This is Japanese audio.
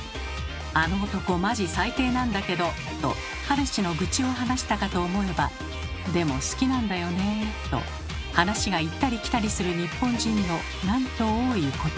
「あの男マジ最低なんだけど」と彼氏の愚痴を話したかと思えば「でも好きなんだよね」と話が行ったり来たりする日本人のなんと多いことか。